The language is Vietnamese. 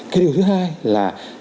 cái điều thứ hai là